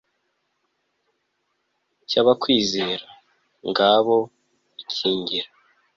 cy'abakwizera, ngabo ikingira